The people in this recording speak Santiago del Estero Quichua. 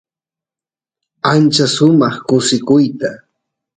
ancha sumaq kusikuyta